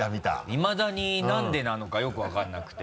いまだに何でなのかよく分からなくて。